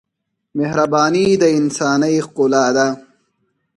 مهرباني د انسانۍ ښکلا ده.